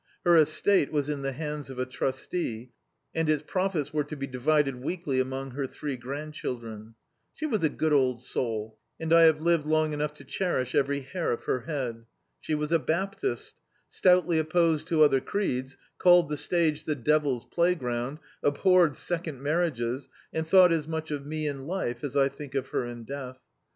. Her es tate was in the hands of a trustee, and its profits were to be divided weekly among her three grand diildren. She was a good old soul, and I have lived long enou^ to cherish every hair of her head. She was a Baptist, stoutly opposed to other creeds — called the stage the Devil's Playground — abhorred seoxid marriages — and thought as much of me in life as I think of her in death.